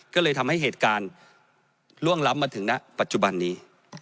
ก็เลยทำให้เหตุการณ์ล่วงล้ำมาถึงณปัจจุบันนี้